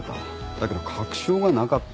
だけど確証がなかった。